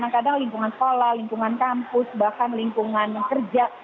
kadang kadang lingkungan sekolah lingkungan kampus bahkan lingkungan kerja